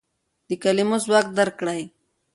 د کلمو ځواک درک کړئ.